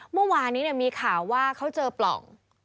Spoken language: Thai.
เมื่อวานนี้มีข่าวว่าเขาเจอปล่อง